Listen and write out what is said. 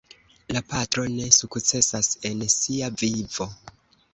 La patro ne sukcesas en sia vivo.